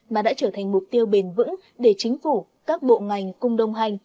mà đã trở thành mục tiêu bền vững để chính phủ các bộ ngành cùng đồng hành